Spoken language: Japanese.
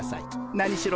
何しろ